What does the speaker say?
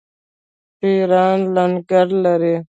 پیران لنګر لري.